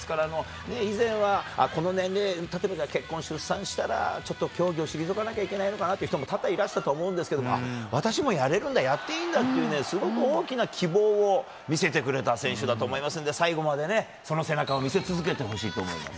以前はこの年齢、例えば結婚、出産したら競技を退かなきゃいけないのかなという人も多々いらっしゃるとは思うんですけど私もやれるんだやっていいんだというすごく大きな希望を見せてくれた選手だと思いますので最後までその背中を見せ続けてほしいと思います。